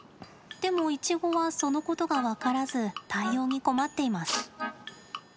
でも、イチゴはそのことが分からず対応に困っています。